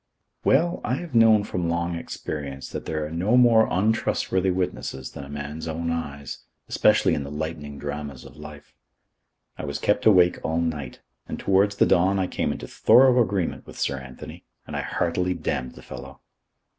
Well, I have known from long experience that there are no more untrustworthy witnesses than a man's own eyes; especially in the lightning dramas of life. I was kept awake all night, and towards the dawn I came into thorough agreement with Sir Anthony and I heartily damned the fellow.